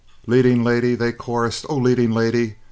"Leading lady," they chorused, "oh, leading lady!